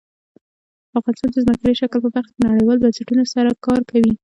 افغانستان د ځمکنی شکل په برخه کې نړیوالو بنسټونو سره کار کوي.